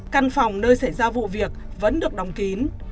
căn phòng nơi xảy ra vụ việc vẫn được đóng kín